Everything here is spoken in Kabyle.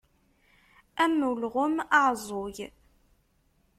Am ulɣem aɛeẓẓug.